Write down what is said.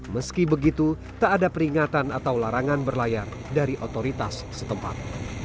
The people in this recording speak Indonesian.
meski begitu tak ada peringatan atau larangan berlayar dari otoritas setempat